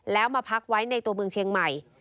แล้วมาพักไว้ในตัวเมืองเชียงใหม่